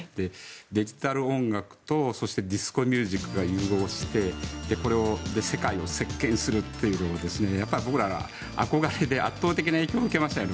デジタル音楽とディスコミュージックが融合してこれで世界を席巻するという僕ら、憧れで圧倒的な影響を受けましたよね。